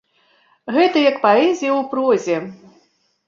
Гэта як паэзія ў прозе.